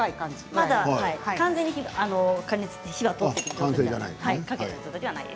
まだ完全に火は通っていません。